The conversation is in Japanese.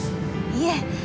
いえ。